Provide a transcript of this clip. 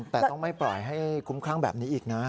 แต่ต้องไม่ปล่อยให้คุ้มครั่งแบบนี้อีกนะ